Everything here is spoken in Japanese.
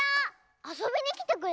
あそびにきてくれたの？